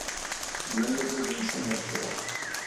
Limited in Singapore.